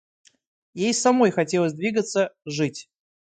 Ей самой хотелось двигаться, жить.